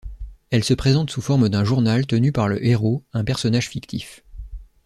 Elle se présente sous forme d'un journal tenu par le héros, un personnage fictif.